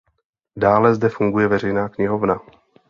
Dále zde funguje veřejná knihovna.